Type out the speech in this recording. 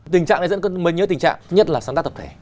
tình trạng này dẫn mình nhớ tình trạng nhất là sáng tác tập thể